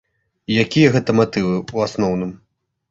І якія гэта матывы, у асноўным?